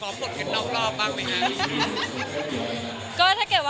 มึงคือประสบผลเคลื่อนรอบบ้างไหมคะ